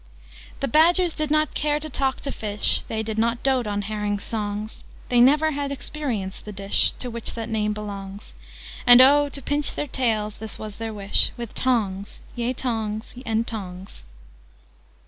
"The Badgers did not care to talk to Fish: They did not dote on Herrings' songs: They never had experienced the dish To which that name belongs: And oh, to pinch their tails,' (this was their wish,) 'With tongs, yea, tongs, and tongs!'"